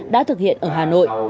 đã thực hiện ở hà nội